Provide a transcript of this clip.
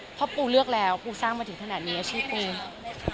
เพราะปูเลือกแล้วปูสร้างมาถึงขนาดนี้อาชีพปู